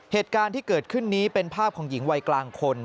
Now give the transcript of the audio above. เหตุการณ์ที่เกิดขึ้นนี้เป็นภาพของหญิงวัยกลางคน